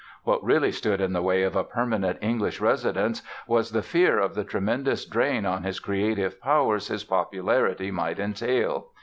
What really stood in the way of a permanent English residence was the fear of the tremendous drain on his creative powers his popularity might entail.